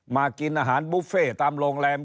กินอาหารบุฟเฟ่ตามโรงแรม